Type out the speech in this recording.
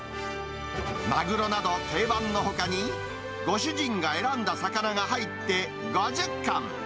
マグロなど定番のほかに、ご主人が選んだ魚が入って５０かん。